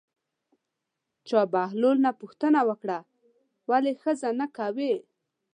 چا بهلول نه پوښتنه وکړه ولې ښځه نه کوې.